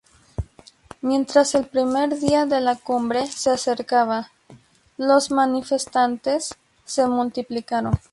Mientras el primer día de la cumbre se acercaba, los manifestantes se multiplicaron.